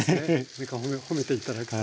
何か褒めて頂くと。